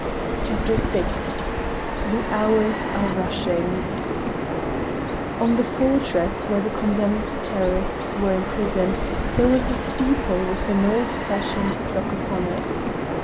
CHAPTER VI THE HOURS ARE RUSHING On the fortress where the condemned terrorists were imprisoned there was a steeple with an old fashioned clock upon it.